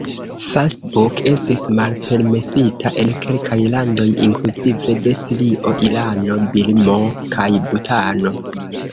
Facebook estis malpermesita en kelkaj landoj, inkluzive de Sirio, Irano, Birmo kaj Butano.